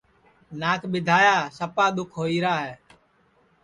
ناک ٻیدھایا سپا دُؔکھ ہوئیرا ہے